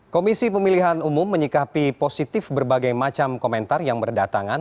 komisi pemilihan umum menyikapi positif berbagai macam komentar yang berdatangan